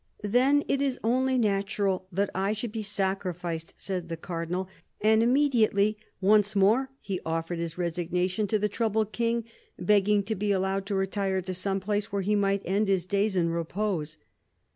" Then it is only natural that I should be sacrificed," said the Cardinal ; and immediately, once more, he offered his resignation to the troubled King, begging to be allowed to retire to some place where he might end his days in repose.